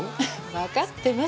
わかってます！